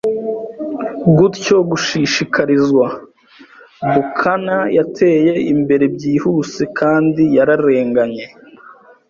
Gutyo, gushishikarizwa, buccaneer yateye imbere byihuse, kandi yararenganye